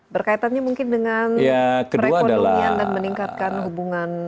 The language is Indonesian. berkaitannya mungkin dengan perekonomian dan meningkatkan hubungan